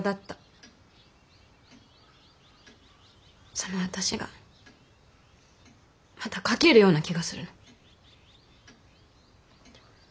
その私がまた書けるような気がするの。